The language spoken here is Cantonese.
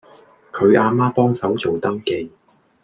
佢阿媽幫手做登記